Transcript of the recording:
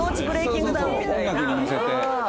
音楽に乗せて。